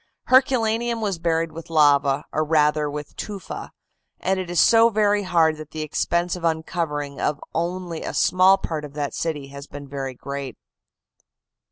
Herculaneum was buried with lava, or rather with tufa, and it is so very hard that the expense of uncovering of only a small part of that city has been very great.